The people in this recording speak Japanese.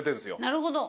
なるほど。